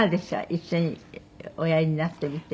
一緒におやりになってみて。